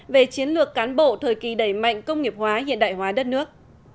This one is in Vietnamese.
về chiến lược cán bộ thời kỳ đẩy mạnh công nghiệp hóa hiện đại hóa đất nước